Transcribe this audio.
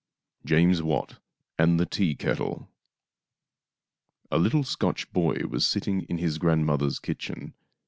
JAMES WATT AND THE TEAKETTLE A little Scotch boy was sitting in . his grandmother's kitchen.